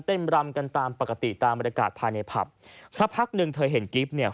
รำกันตามปกติตามบรรยากาศภายในผับสักพักหนึ่งเธอเห็นกิ๊บเนี่ย